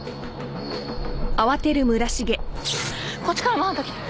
こっちからもハンター来てる。